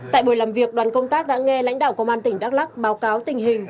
tại buổi làm việc đoàn công tác đã nghe lãnh đạo công an tỉnh đắk lắc báo cáo tình hình